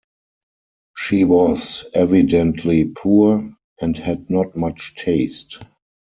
She was evidently poor, and had not much taste.